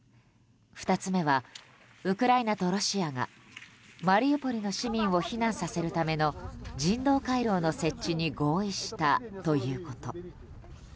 ２つ目はウクライナとロシアがマリウポリの市民を避難させるための人道回廊の設置に合意したということ。